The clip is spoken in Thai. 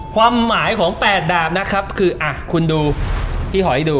ความหมายของ๘ดาบนะครับคืออ่ะคุณดูพี่หอยดู